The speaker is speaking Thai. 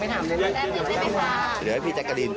วันนี้พี่ยังมาไหมครับ